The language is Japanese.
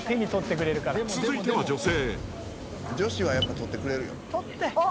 続いては女性。